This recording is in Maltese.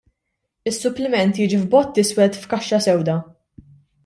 Is-suppliment jiġi f'bott iswed f'kaxxa sewda.